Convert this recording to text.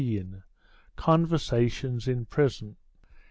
CONVERSATIONS IN PRISON.